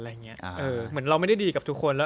อะไรอย่างเงี้ย